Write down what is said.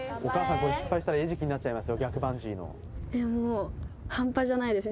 これ失敗したら餌食になっちゃいますよ